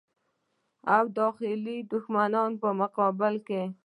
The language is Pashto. او داخلي دښمنانو په مقابل کې.